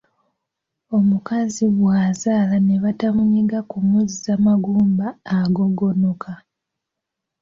Omukazi bw’azaala ne batamunyiga kumuzza magumba agogonoka.